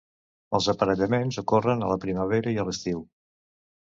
Els aparellaments ocorren a la primavera i a l'estiu.